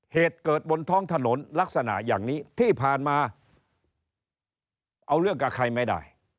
เหตุเกิดบนท้องถนนลักษณะอย่างนี้ที่ผ่านมาเอาเรื่องกับใครไม่ได้